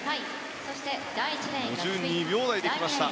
５２秒台で来ました。